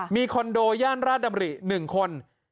มีคอนโดย่านราชดำริ๑คน